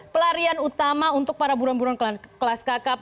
pelarian utama untuk para buron buron kelas kakab